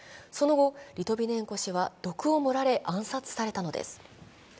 その後、リトビネンコ氏は毒を盛られ暗殺されたのです。